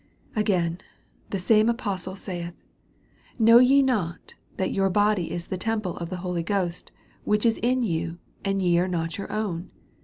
Again, the same apostle saith. Know ye not, that your body is the temple of the Holy Ghost ivhich is in you, and ye are not your own